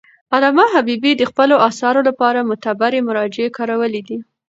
علامه حبیبي د خپلو اثارو لپاره معتبري مراجع کارولي دي.